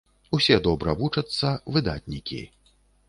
Усе добра вучацца, выдатнікі.